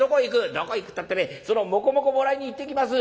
「どこへ行くったってねそのもこもこもらいに行ってきます」。